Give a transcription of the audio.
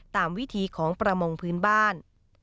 ตามวิธีของประมงพื้นบ้าน